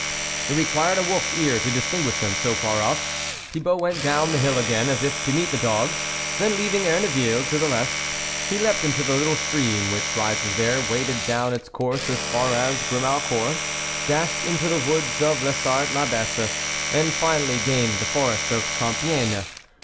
It required a wolfs ear to distinguish them so far off. Thibault went down the hill again, as if to meet the dogs ; then, leaving Erneville to the left, he leaped into the little stream which rises there, waded down its course as far as Grimau court, dashed into the woods of Lessart 1' Abbesse, and finally gained the forest of Compiegne.